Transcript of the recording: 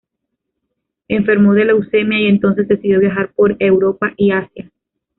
Enfermó de leucemia y entonces decidió viajar por Europa y Asia.